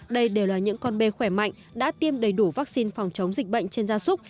đây đều là những con bê khỏe mạnh đã tiêm đầy đủ vaccine phòng chống dịch bệnh trên da súc